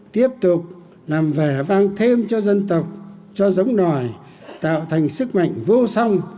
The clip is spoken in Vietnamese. tiếp tục làm vẻ vang thêm cho dân tộc cho giống nổi tạo thành sức mạnh vô song